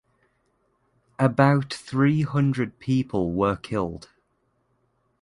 About three hundred people were killed.